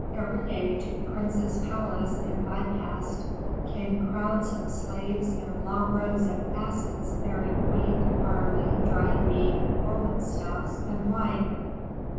Every day to the prince's palace in Pi Bast came crowds of slaves and long rows of asses bearing wheat, barley, dried meat, woven stuffs, and wine.